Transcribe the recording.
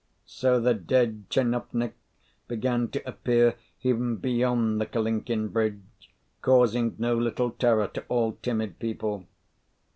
So the dead tchinovnik began to appear even beyond the Kalinkin Bridge, causing no little terror to all timid people.